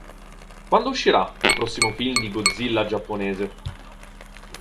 Quando uscirà il prossimo film di Godzilla giapponese?